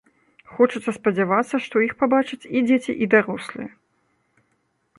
Хочацца спадзявацца, што іх пабачаць і дзеці і дарослыя.